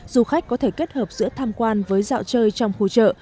du khách có thể kết hợp giữa tham quan với dạo chơi trong khu chợ